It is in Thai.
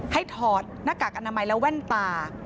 ถอดหน้ากากอนามัยและแว่นตา